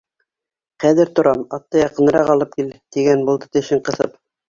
Хәҙер торам, атты яҡыныраҡ алып кил, тигән булды тешен ҡыҫып.